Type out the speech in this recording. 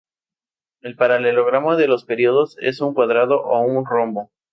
El paralelogramo de los períodos es un cuadrado o un rombo.